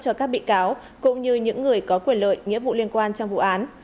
cho các bị cáo cũng như những người có quyền lợi nghĩa vụ liên quan trong vụ án